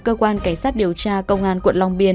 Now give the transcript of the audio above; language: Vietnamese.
cơ quan cảnh sát điều tra công an quận long biên